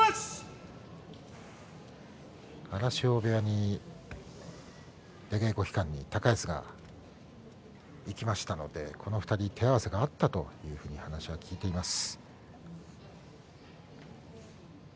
荒汐部屋に出稽古期間に高安が行きましたのでこの２人手合わせがあったというふうに話は聞いています。